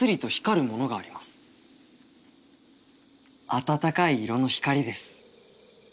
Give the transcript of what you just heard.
あたたかい色の光です。